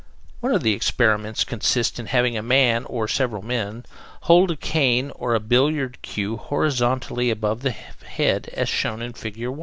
One of the experiments consists in having a man or several men hold a cane or a billiard cue horizontally above the head, as shown in Fig.